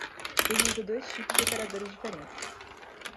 Ele usa dois chips de operadoras diferentes